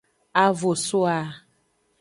A vo so a.